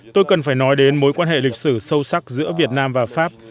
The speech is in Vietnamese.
tôi cần phải nói đến mối quan hệ lịch sử sâu sắc giữa việt nam và pháp